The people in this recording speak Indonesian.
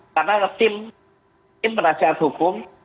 karena tim penasihat hukum